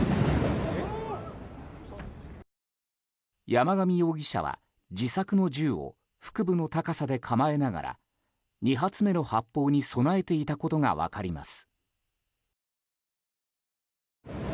山上容疑者は、自作の銃を腹部の高さで構えながら２発目の発砲に備えていたことがわかります。